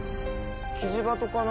キジバトかな？